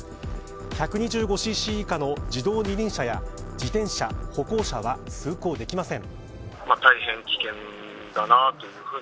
１２５ｃｃ以下の自動二輪車や自転車、歩行者は通行できません。